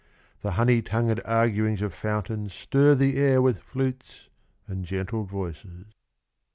The honey tongued arguings of fountains Stir the air with flutes and gentle voices.